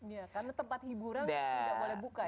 ya karena tempat hiburan nggak boleh buka ya pak ya